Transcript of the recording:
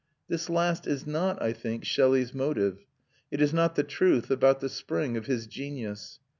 This last is not, I think, Shelley's motive; it is not the truth about the spring of his genius.